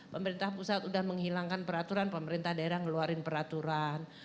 pemerintah pusat sudah menghilangkan peraturan pemerintah daerah ngeluarin peraturan